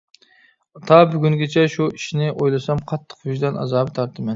تا بۈگۈنگىچە شۇ ئىشنى ئويلىسام قاتتىق ۋىجدان ئازابى تارتىمەن.